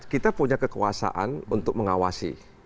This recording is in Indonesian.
kita punya kekuasaan untuk mengawasi